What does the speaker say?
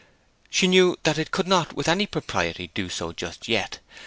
She knew that it could not with any propriety do so just yet.